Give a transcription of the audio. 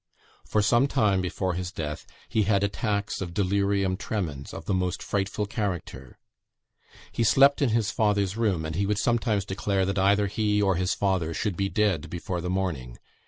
For some time before his death he had attacks of delirium tremens of the most frightful character; he slept in his father's room, and he would sometimes declare that either he or his father should be dead before the morning.